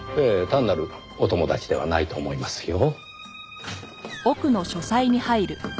単なるお友達ではないと思いますよ。